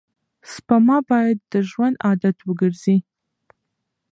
سپما باید د ژوند عادت وګرځي.